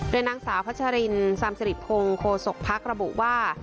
โดยนางสาวพัชรินซามสิริพงศ์โคศกภักดิ์ระบุว่า